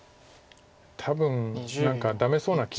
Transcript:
多分何かダメそうな気がします。